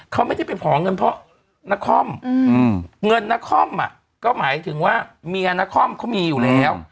เขาไม่ได้ไปขอเงินเพราะนครเงินนครก็หมายถึงว่าเมียนครเขามีอยู่แล้ว